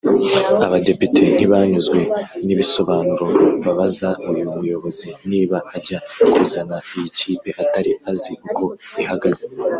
Abadepite ntibanyuzwe n’ibi bisobanuro babaza uyu muyobozi niba ajya kuzana iyi kipe atari azi uko ihagaze